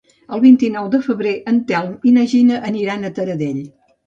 El vint-i-nou de febrer en Telm i na Gina aniran a Taradell.